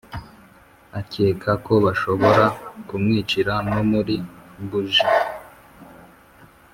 Akeka ko bashobora kumwicira no muli bougie.